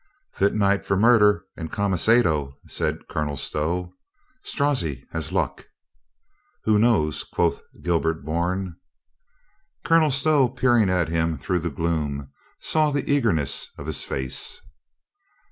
"Fit night for murder and camisado," said Col onel Stow. "Strozzi has luck." "Who knows?" quoth Gilbert Bourne. Colonel Stow, peering at him through the gloom, saw the eagerness of his face.